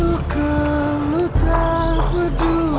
luka lu tak berdua